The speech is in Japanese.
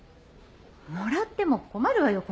もらっても困るわよ